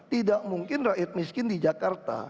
tidak mungkin rakyat miskin di jakarta